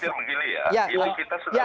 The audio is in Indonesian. saya ingin sedikit menggili ya